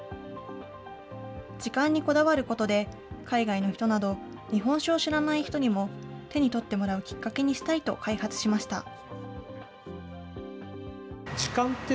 時間にこだわることで、海外の人など、日本酒を知らない人にも手に取ってもらうきっかけにしたいと開発しました。